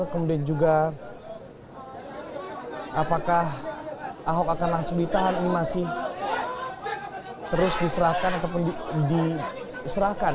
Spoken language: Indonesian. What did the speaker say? kemudian juga apakah ahok akan langsung ditahan ini masih terus diserahkan ataupun diserahkan